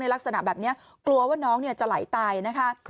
ลักษณะแบบนี้กลัวว่าน้องจะไหลตายนะคะ